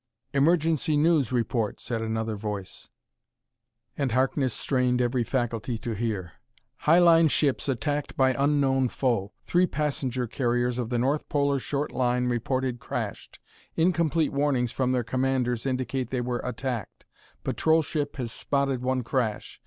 "Emergency news report," said another voice, and Harkness strained every faculty to hear. "Highline ships attacked by unknown foe. Three passenger carriers of the Northpolar Short Line reported crashed. Incomplete warnings from their commanders indicate they were attacked. Patrol ship has spotted one crash.